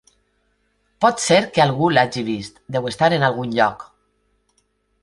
Pot ser que algú l'hagi vist; deu estar en algun lloc.